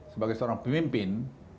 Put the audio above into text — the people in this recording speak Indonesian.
sebagai seorang pemimpin